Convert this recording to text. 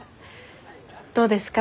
どうですか？